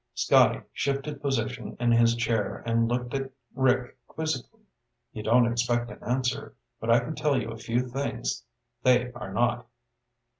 Scotty shifted position in his chair and looked at Rick quizzically. "You don't expect an answer. But I can tell you a few things they are not."